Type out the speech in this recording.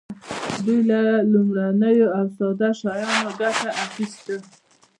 دوی له لومړنیو او ساده شیانو ګټه اخیسته.